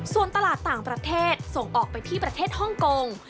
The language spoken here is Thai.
ส่วนตลาดต่างประเทศส่งออกไปที่ประเทศฮ่องกง